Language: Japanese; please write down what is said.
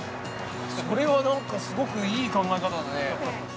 それはなんかすごくいい考え方だね。